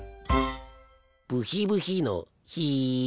ブヒブヒのヒ。